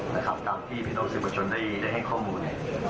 ตามที่เวลาพิธีโรทานสิประชุมได้ให้ข้อมูล